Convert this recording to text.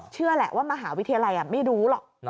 เชื่อแหละว่ามหาวิทยาลัยไม่รู้หรอก